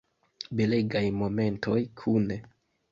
Belegaj momentoj kune.